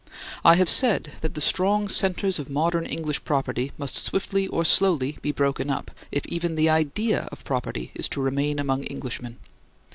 I have said that the strong centers of modern English property must swiftly or slowly be broken up, if even the idea of property is to remain among Englishmen.